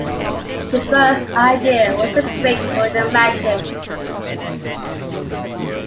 The first idea was a "break" during the matches.